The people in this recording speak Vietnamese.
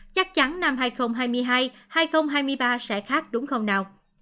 chắc chắn năm hai nghìn hai mươi hai hai nghìn hai mươi ba sẽ khác đúng không nào